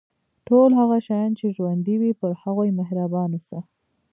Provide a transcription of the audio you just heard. ټول هغه شیان چې ژوندي وي پر هغوی مهربان اوسه.